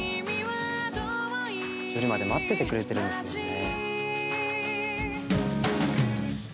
夜まで待っててくれてるんですもんね。